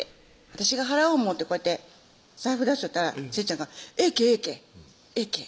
私が払おう思うてこうやって財布出しよったらせっちゃんが「ええけええけ」